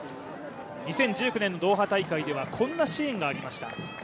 ２０１９年ドーハ大会ではこんなシーンがありました。